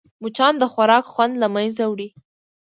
مچان د خوراک خوند له منځه وړي